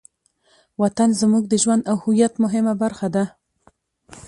وطن زموږ د ژوند او هویت مهمه برخه ده.